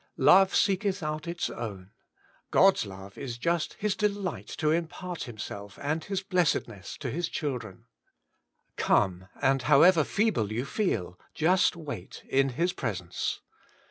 Love seeketh out its own : God's love is just Hu delight to impart Himself and His blessedness to Hia children. Come, and however feeble you feel, just wait in His presence.